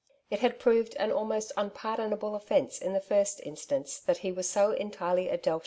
It had proved an almost unpardonable offence in the first instance that he was so entirely a Delta.